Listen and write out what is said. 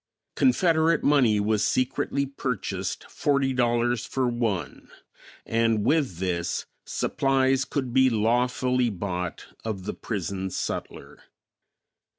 Confederate money was secretly purchased forty dollars for one, and with this supplies could be lawfully bought of the prison sutler.